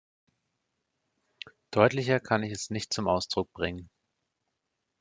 Deutlicher kann ich es nicht zum Ausdruck bringen.